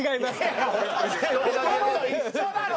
ほとんど一緒だろ！